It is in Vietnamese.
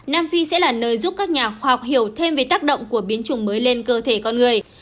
nam phi sẽ là nơi giúp các nhà khoa học hiểu thêm về tác động của biến chủng mới lên cơ thể con người